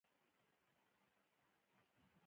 ګارلوک وویل چې زه ډیر زورور یم.